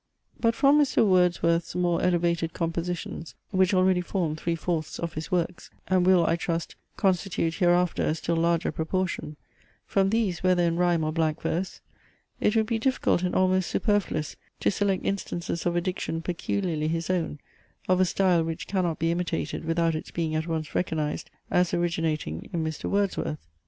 But from Mr. Wordsworth's more elevated compositions, which already form three fourths of his works; and will, I trust, constitute hereafter a still larger proportion; from these, whether in rhyme or blank verse, it would be difficult and almost superfluous to select instances of a diction peculiarly his own, of a style which cannot be imitated without its being at once recognised, as originating in Mr. Wordsworth.